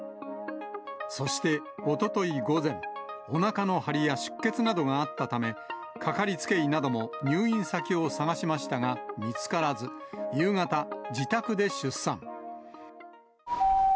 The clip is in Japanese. そしておととい午前、おなかの張りや出血などがあったため、掛かりつけ医なども入院先を探しましたが、見つからず、夕方、自宅で出産。